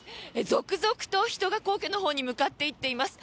続々と人が皇居のほうへ向かっていっています。